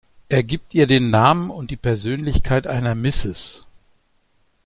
Er gibt ihr den Namen und die Persönlichkeit einer Mrs.